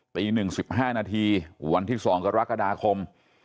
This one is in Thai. ตีหนึ่งสิบห้านาทีวันที่สองกรกฎาคม